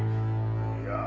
いや。